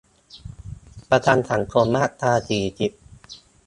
ประกันสังคม มาตรา สี่สิบ